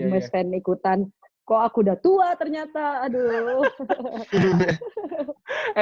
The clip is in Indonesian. gemes fan ikutan kok aku udah tua ternyata aduh